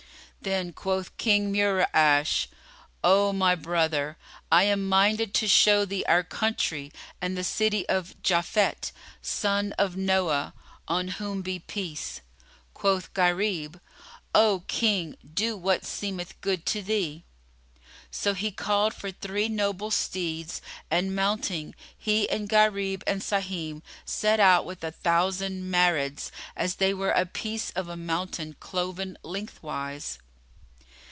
Then quoth King Mura'ash, "O my brother, I am minded to show thee our country and the city of Japhet[FN#31] son of Noah (on whom be peace!)" Quoth Gharib, "O King, do what seemeth good to thee." So he called for three noble steeds and mounting, he and Gharib and Sahim, set out with a thousand Marids, as they were a piece of a mountain cloven lengthwise.